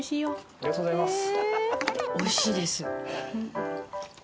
ありがとうございます！